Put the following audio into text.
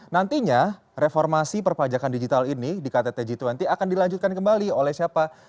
nantinya reformasi perpajakan digital ini di kttg dua puluh akan dilanjutkan kembali oleh siapa